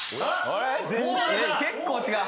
結構違う。